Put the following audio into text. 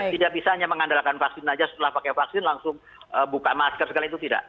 tidak bisa hanya mengandalkan vaksin saja setelah pakai vaksin langsung buka masker segala itu tidak